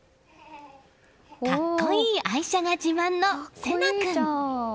格好いい愛車が自慢の星来君。